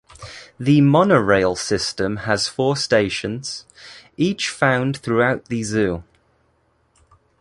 The monorail system has four stations, each found throughout the zoo.